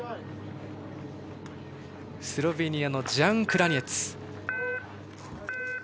スロベニアのジャン・クラニェツ。